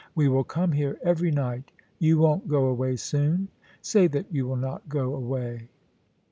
We will come here every night You won't go away soon ? Say that you will not go away.